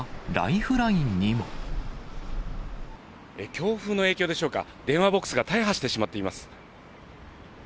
強風の影響でしょうか、電話ボックスが大破してしまっています。